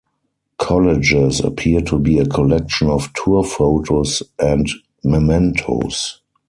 Collages appear to be a collection of tour photos and mementos.